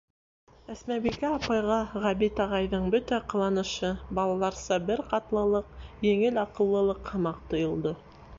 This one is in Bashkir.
Әсмәбикә апайға Ғәбит ағайҙың бөтә ҡыланышы балаларса бер ҡатлылыҡ, еңел аҡыллылыҡ һымаҡ тойолдо.